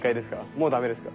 もうダメですか？